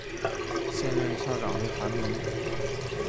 现任校长为韩民。